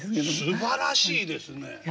すばらしいですね！